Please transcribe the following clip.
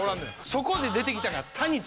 そこで出てきたのが。